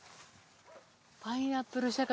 パイナップル釈迦。